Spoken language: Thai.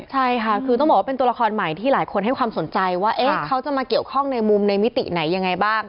ใช่ค่ะคือต้องบอกว่าเป็นตัวละครใหม่ที่หลายคนให้ความสนใจว่าเขาจะมาเกี่ยวข้องในมุมในมิติไหนยังไงบ้าง